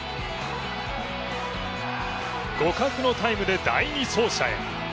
互角のタイムで第２走者へ。